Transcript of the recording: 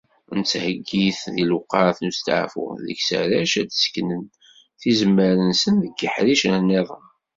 Nettheyyi-t di lewqat n usteɛfu, deg-s arrac ad d-sekknen tizemmar-nsen deg yiḥricen-nniḍen.